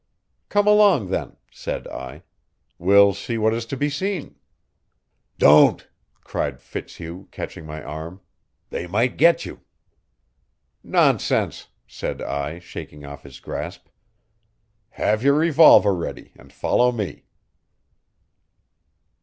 "Come along then," said I. "We'll see what is to be seen." "Don't!" cried Fitzhugh, catching my arm. "They might get you." "Nonsense," said I, shaking off his grasp. "Have your revolver ready, and follow me."